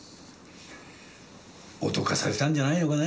脅かされたんじゃないのかね？